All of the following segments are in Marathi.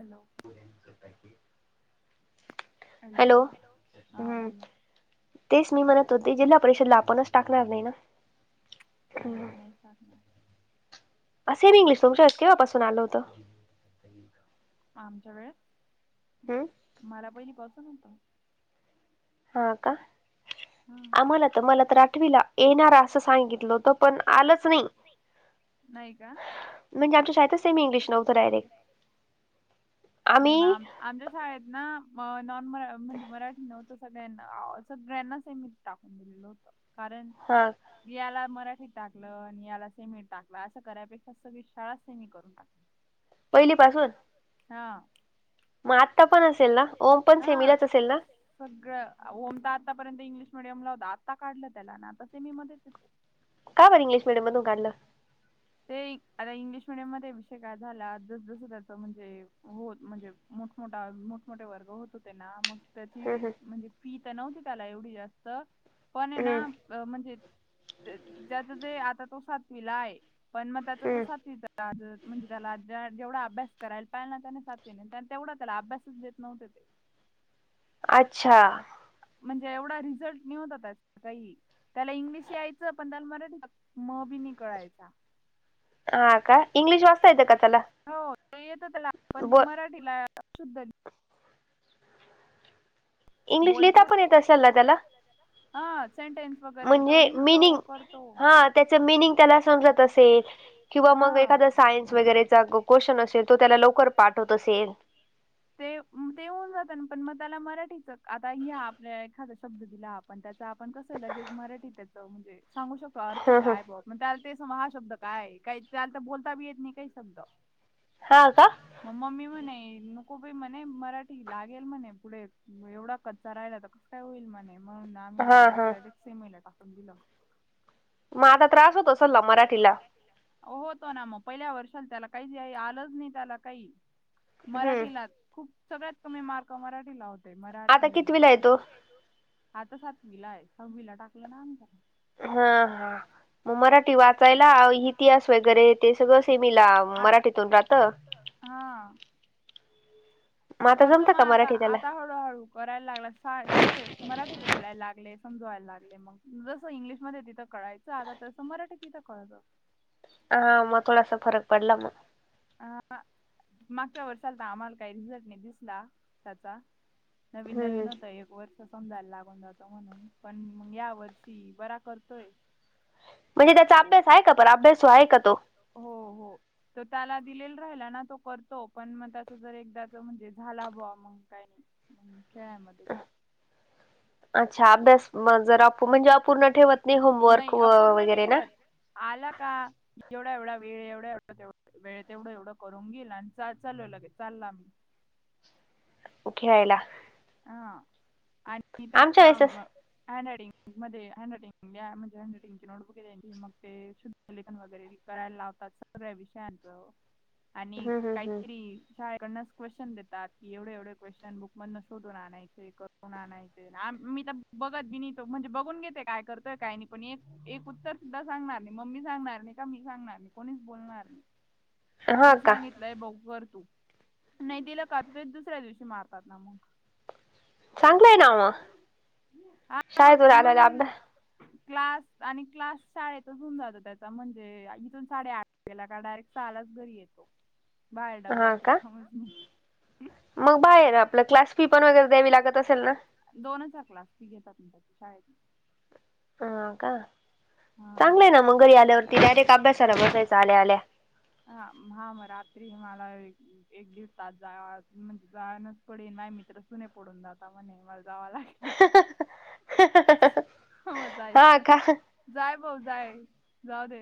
हॅलो. हॅलो हा बोला. तेच मी म्हणत होते, जिल्हा परिषदला आपणच टाकणार नाही ना. नाही नाहीच टाकणार. असेल इंग्लिश तुमच्या केव्हा पासून आलं होतं? आमच्या वेळ. हम. मला पहिली पासून होतं. ह का. आम्हाला तर मला तर आठवीला येणार असं, सांगितलं होत पण आलंच नाही. म्हणजे, आमच्या शाळेत सेमी इंग्लिश नव्हतं डायरेक्ट. नाही म आमच्या शाळेत ना, नॉन म- म्हणजे मराठी नव्हतं च. सगळ्यांना सगळ्यांनाच सेमी टाकून दिलेल होतं कारण, हां. याला मराठी टाकलं आणि याला सेमी टाकलं असं, करायपेक्षा सगळी शाळाच सेमी करून टाकल. पहिली पासून? हा. मग आत्ता पण असेल ना, ओम पण सेमीलाच असेल ना? सगळं ओम तर आतापर्यंत इंग्लिश मिडियमला होता, आत्ता काढलं त्याला ना आता सेमी मध्येच तो. का बरं इंग्लिश मीडियम मधून काढलं? ते आता इंग्लिश मिडियम मध्ये विषय काय झाला. जस जस म्हणजे होत म्हणजे, मोठमोठा मोठमोठे वर्ग होत होते ना मग. तर ती म्हणजे फी तर नव्हती त्याला एवढी जास्त, पण हेणा. अ- म्हणजे त्याच ते आता तो सातवीला आहे. पण मग त्याच च सातवीच [unintelligible] म्हणजे त्याला जेवढा अभ्यास करायला पाहिला, ना त्याने सातवी तेवढा त्याला अभ्यासच देत नव्हते ते. [inaudible] अच्छा, म्हणजे एवढा रिझल्ट नाही होता, त्याचा काही. त्याला इंग्लिश यायचं, पण त्याला मराठी म बी कळायचा. आ.. का इंग्लिश वाचता येत का त्याला? हो ते येतं त्याला, पण मराठीला शुद्ध इंग्लिश लिहता पण येत असेल त्याला? म्हणजे मिनिंग हा, त्याच मिनिंग त्याला समजत असेल. किंवा मग एखादा सायन्स वगैरेचा, क्वेशन असेल तो त्याला लवकर पाठ होत असेल. ते, म- ते होऊन जात ना पण मग, त्याला मराठीच आता या आपल्या एखादा शब्द दिला. पण त्याचं आपण कसं लगेच मराठी त्याच म्हणजे, सांगू शकतो अर्थ काय बोल मग त्याला ते स हा शब्द काय, काही त्याला तर बोलता बी येत नाही काही शब्द. हं का. म मम्मी म्हणे न को बाई म्हणे मराठी लागेल म्हणे पुढे, एवढा कच्चा राहिला तर कस काय होईल म्हणे. म्हणून आम्ही रा सेमीला टाकून दिलं. मग आता त्रास होतं असेल ना मराठीला. होतो ना, मग पहिल्या वर्षाला त्याला काही आलंच नाही त्याला काही, मराठीला खूप सगळ्यात कमी मार्क मराठीला होत. मराठी असे आता सातवीला आहे, सातवीला टाकलं ना आमच्या, हा.. हा.. मग मरा टी वाचायला इतिहास वगैरे, ते सगळं सेमीला मराठीतून राहतं. हा. करतो मग आता आता हळूहळू करायला लागला सगळे मराठीत बोलायला लागले समजवायला लागले मग जस इंग्लिशमध्ये तिथ कळायचं आता तसं मराठीत तिथं कळतं हा मग थोडासा फरक पडला मग मागच्या वर्षल तर आम्हाला काही रिझल्ट नाही दिसला त्याचा नवीन नवीन होतं एक वर समजायला लागून जात म्हणून पण मग या वर्षी बरा करतोय म्हणजे त्याचा अभ्यास आहे का पण अभ्यासो आहे का तो हो हो तर त्याला दिलेल राहिला ना तो करतो पण मग त्याच जर एकदाच म्हणजे झाला बवा मग काही नाही ह् जय म अच्छा अभ्यास जर आप म्हणजे पूर्ण ठेवत नाही होमवर्क वगैरे ना. आला का एवढा एवढा वेळ एवढा एवढा तेवढा वेळ तेवढं एवढं करून घेईल आणि ल लगे चालला आम्ही मुखी रायला आणि त्यां हँड रायटिंग मध्ये हँड रायटिंग म्हणजे हँड रायटिंगची नोटबुक मग ते शुद्ध लेखन वगैरे करायला लावतात. रविशांत भा [unintelligible] आणि काहीतरी शाळेकडनाच क्वेश्चन देतात की एवढे एवढे क्वेशचन बुक मधनं शोधून आणायचे करून आणायचे मी तर बघत बी तो म्हणजे बघून घेते काय करतय काय नाही पण एक एक उत्तर सुद्धा सांगणार नाही मम्मी सांगणार नाही का मी सांगणार नाही कोणीच बोलणार नाही तुझ सांगितलंय बऊ कर तू नाही दिला का तु दुसऱ्या दिवशी मारतात ना मग हा मग म्हणून क्लास आणि क्लास शाळेतच होऊन जातो त्याचा म्हणजे इथून साडे आठ गेला का डायरेक्ट शला घरी येतो. हा का मग बाहेर आपलं क्लास फी पण वगैरे द्यावी लागत असेल ना दोनचा क्लास ती घेतात शाळेत ह का चांगलंय ना मुंगरी आल्यावरती डायरेक्ट अभ्यासाला बसायच आल्या आल्या हा हां मग रात्री मला व एक दीड तास जा म्हणजे जानच पडेन मा मित्र सुने पडून जाता म्हणे मला जावं लागेल. हो जायच. जाय भाऊ जाय जाऊ दे.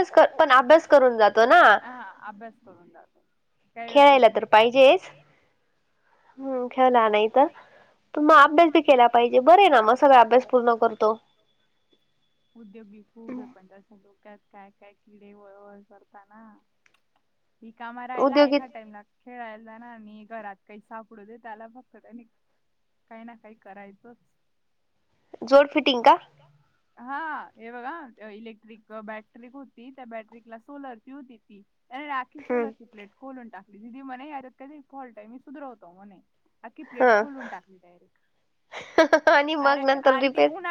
भभस ज ह अभ्यास करून जातो. काय वेळेस. हम्म घ्याना नाही तर. त मग अभ्यास बी केला पाहिजे बरे ना मग सगळा अभ्यास पूर्ण करतो उद्योगिक खूप आहे पण त्याश डोक्यात काय काय किडे वळवळ करताना [unintelligible] ही कामा रायला एका टाइमला खेळायला जा ना आणि घरात काही सापडू देत. त्याला फक्त आणि काही ना काही करायचच. दोन फिटिंग का? हा हे बघा इलेक्ट्रिक बॅटरी होती त्या बॅटरीला सोलरची होती ती. त्याने आखी सोलरची प्लेट खोलून टाकली दिदी म्हणे यादत का फॉल्ट आहे मी सुधारवतो होतो म्हणे. आखी प्लेट खोलून टाकली डायरेक्ट अरे आण. उन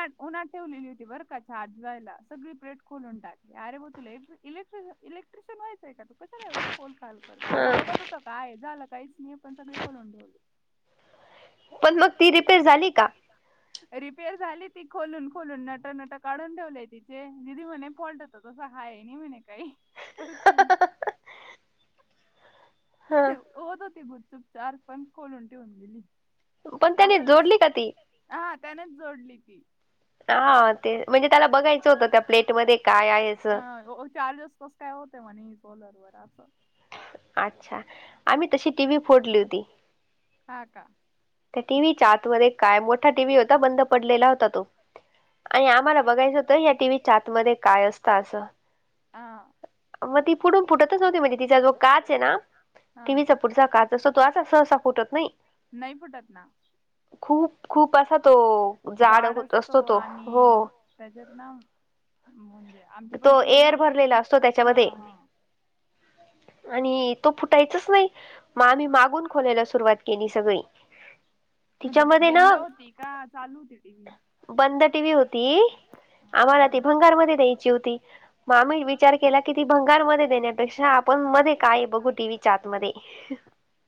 ठेवलेली होती बर का चार्ज व्हायला सगळी प्लेट खोलून टाकली अरे ब तुला इलेक्ट्रिक. इलेक्ट्रिशन व्हायचंय का तुला? कशाला एवढच फोल खाल करत आगं बघत होतं काय झालं काहीच नाही पण सगळे खोलून ठेवले. पण मग ती रिपेर झाली का? रिपेर झाली ती खोलून खोलून नट नट काढून ठेवलेय तिचे दिदी म्हणे फॉल्ट. तस हाय नई म्हणे काही परत जाऊन. होत होती गुचचुप चार्ज पण खोलून ठेवून दिली. आसं लक्ष जोडली का ती? हा त्यानंच जोडली ती. हां ते म्हणजे त्याला बघायचं होत का ते ते काय आ ओ चार्जस कस. काय होतं म्हणे सोलर वर आसं? आच्छा आम्ही तशी टी व्ही फोडली होती. हा का? त्या टीव्हीच्या आतमधे काय मोठा टीव्ही होता बंद पडलेला होता तो. आणि आम्हाला बघायचं होतं या टीव्ही च्या मध्ये काय असतं आसं. आहा. मग ती फुडून फुटतच नवती म्हणजे तिचा जो काच आहे ना. टीव्ही चा पुढचा काच जसं तो आसा सहसा फुटत नाई. नाही फुटत ना. खूप खूप असा तो जाड होत असतो तो हो त्याच्यात ना म्हणजे आमची पण टी व्ही एअर भरलेला असतो त्याच्यामध्ये हां हां. आणि. तो फुटायचाच नाही म आम्ही मागून खोलायला सुरुवात केली सगळी. म्हणजे बेंद होती का चालू होती टि व्ही? बंद टि व्ही होती आम्हाला ती भंगारमध्ये द्याय ची होती म विचार केला की ती भंगार मधे देण्यापेक्षा आपण मध्ये काय बघू टीव्ही च्या आतमध्ये.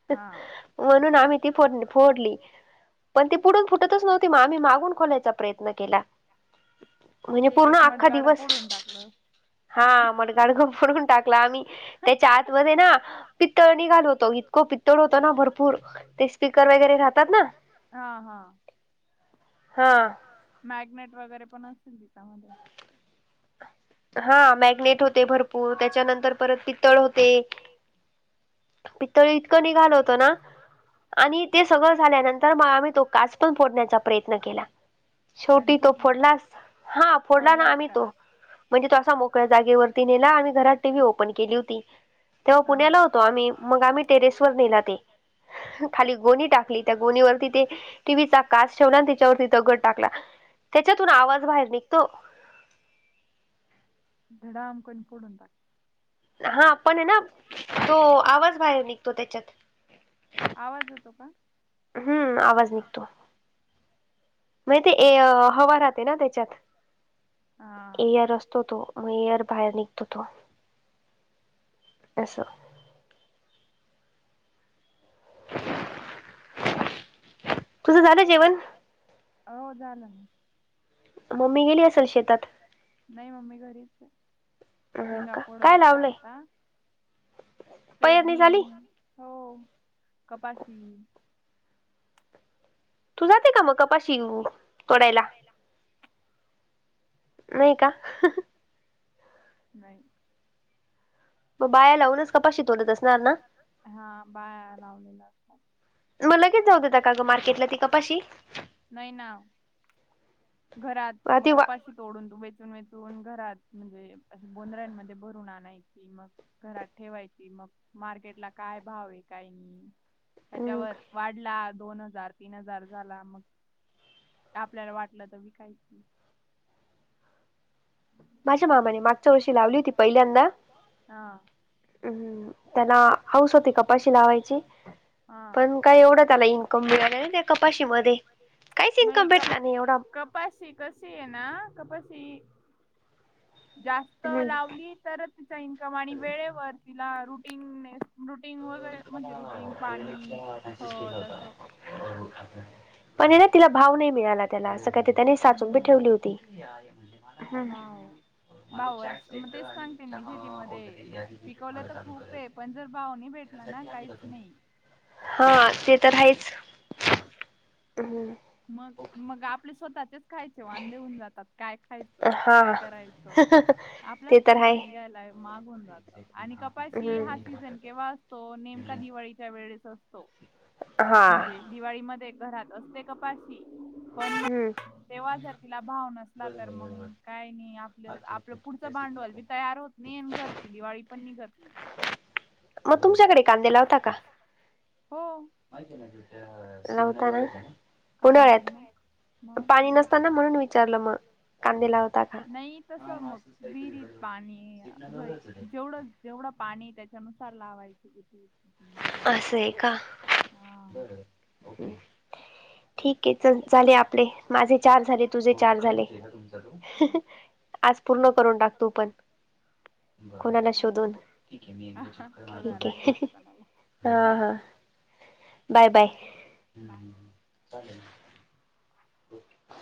हां. म्हणून आम्ही ती फोड फोडली. पण ती पुढून फुटतच नव्हती म आम्ही मागून खोलायचा प्रयत्न केला. म्हणजे पूर्ण अख्खा दिवस म? हां मडगाड पण फोडून टाकलं आम्ही. त्याच्या आतमध्ये ना पित्तळ निघाल होत. इतकं पित्तळ होतो ना भरपूर. ते स्पीकर वेगैरे राहतात ना. हां हा हां मॅगनेट वगैरे पण असेल कि चांगलं. हां मॅग्नेट होते भरपूर त्याच्यानंतर परत पितळ होते. पितळ इतकं निघालं होत ना. आणि ते सगळं झाल्यानंतर मग आम्ही तो काच पण फोडण्याचा प्रयत्न केला. शेवटी तो फोडलास? हां फोडला ना आम्ही तो. म्हणजे तो मोकळ्या जागेवरती नेला आणि घरात टि व्ही ओपन केली होती. तेव्हा पुण्याला होतो आम्ही मग आम्ही मग आम्ही टेरेस वर गेलात. खाली गोणी टाकली त्या गोणीवरती ते टीव्हीचा कास ठेवला आणि त्याच्यावरती दगड टाकला. त्याच्यातून आवाज बाहेर निघतो? धडाम कन फडून टाक हा पण आहे ना तो आवाज बाहेर निघतो त्याच्यात. आवाज यतो का? हम्म आवाज निघतो. म ती ए हवा राहते ना त्याच्यात एअर अस तो तो आणि एअर बाहेर निघतो तो असं. तुझं झालं जेवन? हो झालं ना. मम्मी गेली असल शेतात? नाई मम्मी घरीच आहे. शेंगा फोडत होते आत्ता. पेरणी हो कपाशी. तू जाते का मग कपाशी तोडायला? नाही का. नाही. मग बाया लावूनच कपाशी तोडत असणार ना. मग लगेच जाऊ देता का ग मार्केटला ती कपाशी? नाही ना. घरात मग कपाशी तोडून धुवायचं. दोन वेळेस धुवुन घरात म्हणजे बोध्र्यांमध्ये भरून आणायचि मग - - घरात ठेवायची मग मार्केटला काय भाव हाय? काय नाही? त्याच्यावर वाढला दोन हजार, तीन हजार झाला, मग आपल्याला वाट नंतर विकाय. माझ्या मामाने मागच्या वर्षी लावली होती पहिल्यांदा. त्याना हौस होती कपाशी लावायची. पण काय एवढं त्याला इन्कम मिळालं नाय त्या कपाशीमध्ये. काहीच इन्कम भेटला नाही एवढा. पशी कशी है ना कपशी? जास्त लावली तरच तिचा इन्कम आणि वेळेवर तिला रुटीनने रुटीन वगैरे म्हणजे रुटीन पाणी, खत असं. [unintelligible] पण ना तिला भाव नाही मिळाला त्याला असं का ते त्यानी साचून बी ठेवली होती. भाव बा वर्स, मग तेच सांगते मीे शेतीमध्ये पिकवलं तर खूपये. पण जर भाव नाही भेटला ना काहीच नाही. ह. ते तर आहेच. हच् ह. मग, मग आपले स्वतःचेच खायचे वांदे होऊन जातात काय खायचं. काय करायचं? आपल्याच [unintelligible] निघायला मागून जात. आणि कपाशी हा सीझन केव्हा अस नेमका दिवाळीच्या वेळेस असतो म्हणजे दिवाळीमध्ये घरात अस कपाशी हम्म. तेव्हा जर तीला भिव नस ला तर मग काय नाही आपलं आपलं पुढच भांडवल बी तयार होत नाही घरची दिवाळी पण निघ मग तुमच्याकडे कांदे लावता का? [unintelligible] लावता ना? उन्हाळ्यात, पाणी नसताना म्हणून विचारलं मग. नाही तस मग विहिरीत पाणी अस जेवढं - - जेवढं पाणी त्याच्यानुसार लावायच किती. असय हे का. ठीक के चल. झाले आपले माझे चार झाले, तुझे चार झाले. आज पूर्ण करून टाकतू पण. कुणाला शोधून. ठीक के. हा. हा. बाय. बाय. [unintelligible]